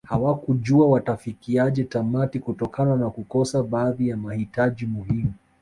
Hawakujua watafikiaje tamati kutokana na kukosa baadhi mahitaji muhimu